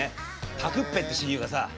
タクッペって親友がさ